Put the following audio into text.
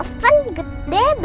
jangan sampai kedengeran rosan aku